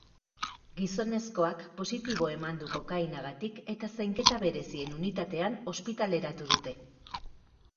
Gizonezkoak positibo eman du kokainagatik eta zainketa berezien unitatean ospitaleratu dute.